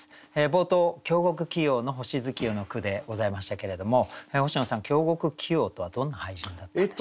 冒頭京極杞陽の「星月夜」の句でございましたけれども星野さん京極杞陽とはどんな俳人だったんでしょうか？